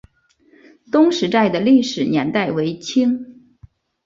东石寨的历史年代为清。